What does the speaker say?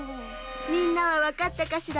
みんなはわかったかしら？